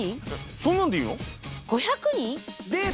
そんなんでいいの？